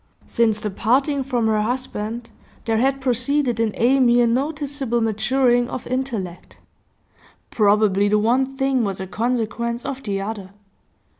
Since the parting from her husband, there had proceeded in Amy a noticeable maturing of intellect. Probably the one thing was a consequence of the other.